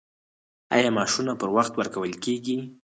آیا معاشونه پر وخت ورکول کیږي؟